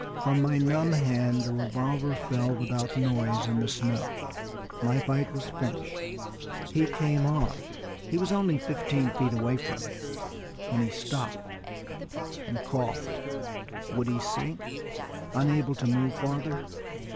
From my numb hand the revolver fell without noise in the snow my fight was finished. He came on; he was only fifteen feet away from me, when he stopped and coughed. Would he sink, unable to move farther?